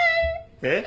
えっ？